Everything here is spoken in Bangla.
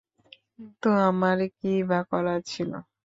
কিন্তু, আমার কিইবা করার ছিলো।